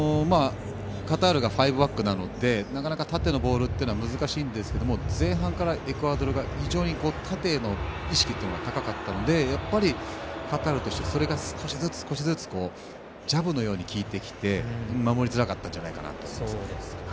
カタールがファイブバックなのでなかなか縦のボールは難しいんですけども前半からエクアドルが非常に縦への意識が高かったので、カタールとしてはそれが少しずつジャブのように効いてきて守りづらかったんじゃないかと思います。